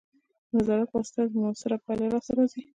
د نظارت په واسطه مؤثره پایله لاسته راځي.